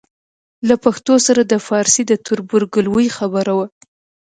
له پښتو سره د پارسي د تربورګلوۍ خبره وه.